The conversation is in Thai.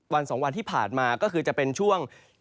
วัน๒วันที่ผ่านมาก็คือจะเป็นช่วง